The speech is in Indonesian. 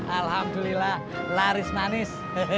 alhamdulillah laris manis